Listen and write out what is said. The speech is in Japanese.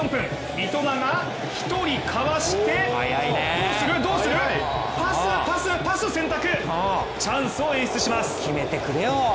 三笘が１人かわしてどうする、どうする、パスを選択、チャンスを演出します。